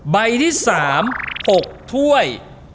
ใบที่สาม๖ถ้วย